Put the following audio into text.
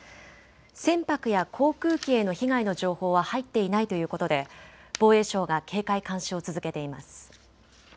船舶や航空機への被害の情報は入っていないということで防衛省が警戒・監視を続けています。